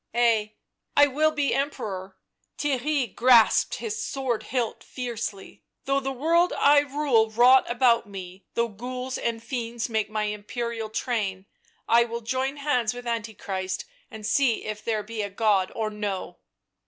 " Ay, I will be Emperor "— Theirry grasped his sword hilt fiercely —" though the world I rule rot about me, though ghouls and fiends make my Imperial train — I will join hands with Antichrist and see if there be a God or no